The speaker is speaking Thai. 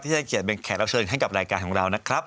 ที่อยากเป็นแขนเชิญให้ขับรายการของเรานะครับ